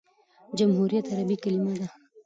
جمهوریت عربي کلیمه ده.